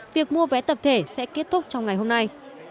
việc mua vé tập thể sẽ kết thúc trong ngày hôm nay